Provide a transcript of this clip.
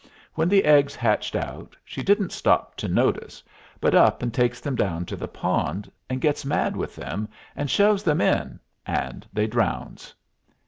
When the eggs hatched out, she didn't stop to notice, but up and takes them down to the pond, and gets mad with them, and shoves them in, and they drowns.